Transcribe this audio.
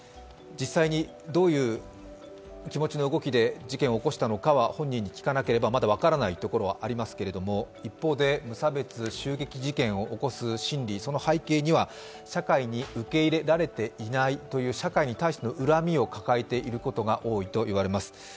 実際にどういう気持ちの動きで事件を起こしたのかは本人に聞かなければ、まだ分からないところはありますけれども、一方で、無差別襲撃事件を起こす心理その背景には社会に受け入れられていないという社会に対しての恨みを抱えていることが多いといわれます。